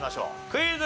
クイズ。